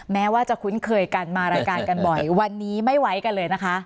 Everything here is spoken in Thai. แม้ว่าจะคุ้นเคยกันมารายการกันบ่อยวันนี้ไม่ไว้กันเลยนะคะ